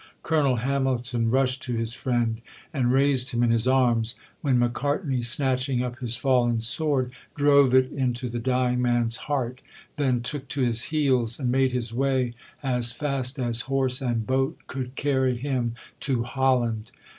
Colonel Hamilton rushed to his friend and raised him in his arms, when Macartney, snatching up his fallen sword, drove it into the dying man's heart, then took to his heels and made his way as fast as horse and boat could carry him to Holland.